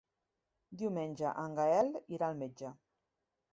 Diumenge en Gaël irà al metge.